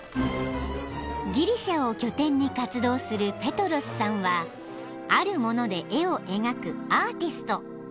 ［ギリシャを拠点に活動するペトロスさんはあるもので絵を描くアーティスト］